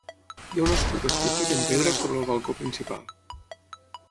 Hi ha un escut esculpit en pedra sobre el balcó principal.